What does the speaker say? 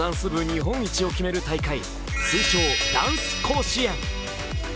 日本一を決める大会、通称・ダンス甲子園。